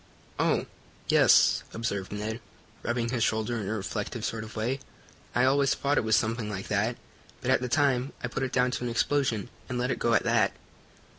"Oh, yes," observed Ned, rubbing his shoulder in a reflective sort of way. "I always thought it was something like that. But, at the time I put it down to an explosion, and let it go at that."